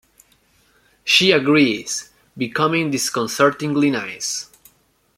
She agrees, becoming disconcertingly nice.